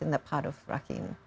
di negara rakhine